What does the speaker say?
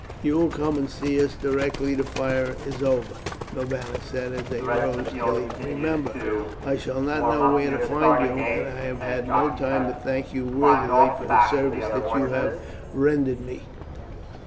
"You will come and see us directly the fire is over," Norbanus said as they rose to leave. "Remember, I shall not know where to find you, and I have had no time to thank you worthily for the service that you have rendered me.